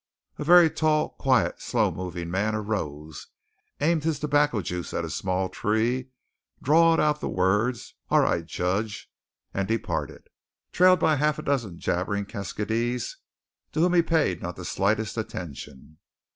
A very tall, quiet, slow moving man arose, aimed his tobacco juice at a small tree, drawled out the words, "All right, Jedge," and departed, trailed by a half dozen jabbering keskydees, to whom he paid not the slightest attention.